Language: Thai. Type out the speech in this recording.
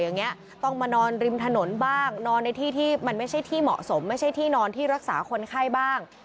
นอนในที่ที่มันไม่ใช่ที่เหมาะสมไม่ใช่ที่นอนที่รักษาคนไข้บ้าง